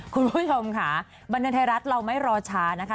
คุณผู้ชมค่ะบันเทิงไทยรัฐเราไม่รอช้านะคะ